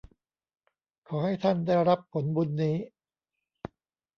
ขอให้ท่านได้รับผลบุญนี้